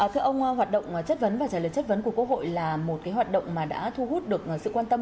thưa ông hoạt động chất vấn và trả lời chất vấn của quốc hội là một hoạt động mà đã thu hút được sự quan tâm